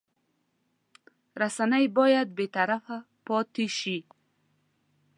رسنۍ باید بېطرفه پاتې شي.